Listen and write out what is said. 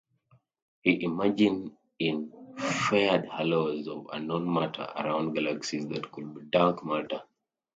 He imaged infrared halos of unknown matter around galaxies that could be dark matter.